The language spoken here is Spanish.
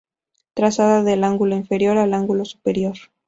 Trazada del ángulo inferior al ángulo superior.